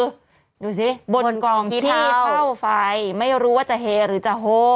ดูสิบนกองที่เฝ้าไฟไม่รู้ว่าจะเฮหรือจะโฮ